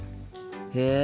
へえ。